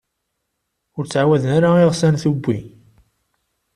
Ur ttɛawaden ara iɣsan tubbwi.